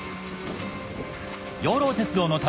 養老鉄道の旅